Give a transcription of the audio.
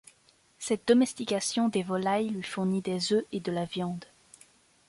Cette domestication des volailles lui fournit des œufs et de la viande.